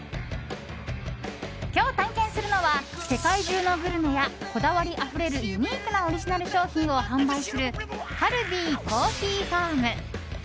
今日探検するのは世界中のグルメやこだわりあふれるユニークなオリジナル商品を販売するカルディコーヒーファーム。